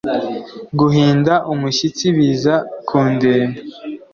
guhinda umushyitsi biza kundeba –